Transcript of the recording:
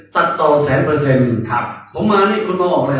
ตัดต่อต่อแบบหนู